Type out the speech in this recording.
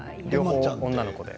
女の子で。